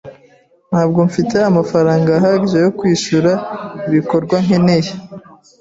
Ntabwo mfite amafaranga ahagije yo kwishyura ibikorwa nkeneye.